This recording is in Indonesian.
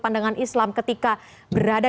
pandangan islam ketika berada